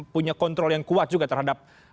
punya kontrol yang kuat juga terhadap